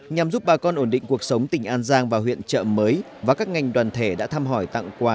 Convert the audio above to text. nhằm giúp bà con ổn định cuộc sống tỉnh an giang và huyện trợ mới và các ngành đoàn thể đã thăm hỏi tặng quà